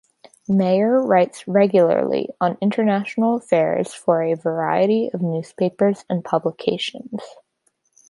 Meyer writes regularly on international affairs for a variety of newspapers and publications.